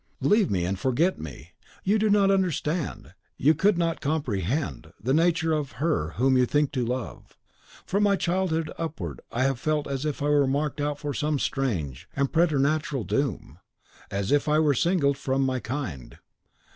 "Leave me, and forget me. You do not understand, you could not comprehend, the nature of her whom you think to love. From my childhood upward, I have felt as if I were marked out for some strange and preternatural doom; as if I were singled from my kind.